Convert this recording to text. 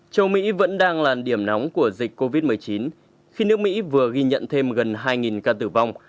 châu mỹ vẫn đang là điểm nóng của dịch covid một mươi chín khi nước mỹ vừa ghi nhận thêm gần hai ca tử vong